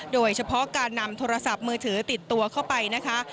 โดยเฉพาะการนำโทรศัพท์มือถือติดตัวเข้าไปนะคะ